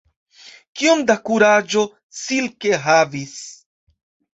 Kiom da kuraĝo Silke havis!